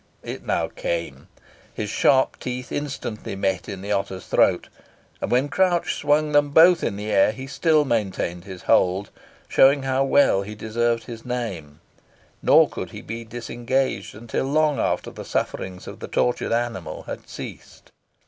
It now came; his sharp teeth instantly met in the otter's throat, and when Crouch swung them both in the air, he still maintained his hold, showing how well he deserved his name, nor could he be disengaged until long after the sufferings of the tortured animal had ceased.